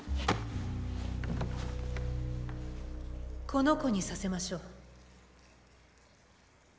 この子にさせましょう。